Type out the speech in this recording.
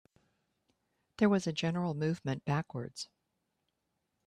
There was a general movement backwards.